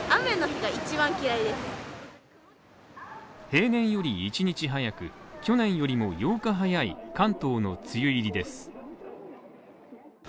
平年より１日早く、去年よりも８日早い関東の梅雨入りです。